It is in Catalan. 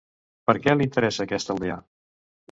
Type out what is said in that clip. Per què li interessa aquesta aldea?